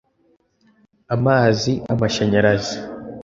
amazi amashanyarazi